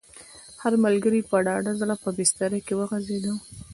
هر ملګری په ډاډه زړه په بستره کې وغځېد.